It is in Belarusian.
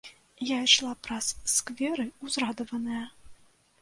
Я ішла праз скверы ўзрадаваная.